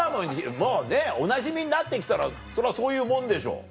もうねおなじみになって来たらそりゃそういうもんでしょ。